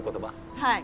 はい。